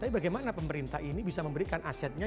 tapi bagaimana pemerintah ini bisa memberikan asetnya